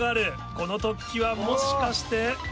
この突起はもしかして。